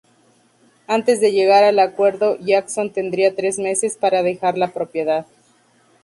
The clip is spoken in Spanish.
Antes de llegar al acuerdo, Jackson tendría tres meses para dejar la propiedad.